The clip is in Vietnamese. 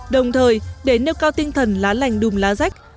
đồng thời để nêu cao tinh thần lá lành đùm lá rách